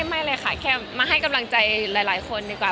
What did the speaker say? ไม่เลยค่ะแค่มาให้กำลังใจหลายคนดีกว่า